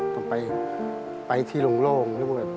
ต้องไปที่โล่ง